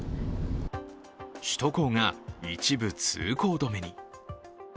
首都高が一部通行止めに。